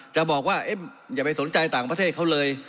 จะบอกว่าอย่าไปสนใจต่างประเทศเขาเลย